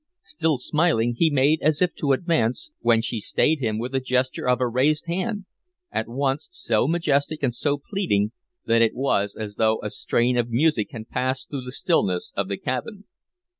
Still smiling he made as if to advance, when she stayed him with a gesture of her raised hand, at once so majestic and so pleading that it was as though a strain of music had passed through the stillness of the cabin.